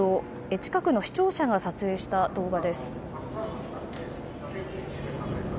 近くの視聴者が撮影した動画です。